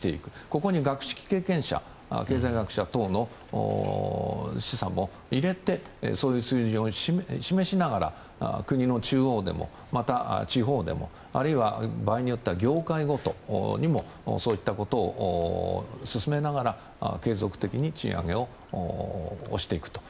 ここに学識経験者経済学者等の試算を入れてそういう数字を示しながら国の中央でもまたは地方でも、あるいは場合によっては業界ごとにもそういったことを進めながら継続的に賃上げを押していくと。